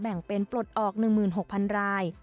แบ่งเป็นปลดออก๑๖๐๐๐ราย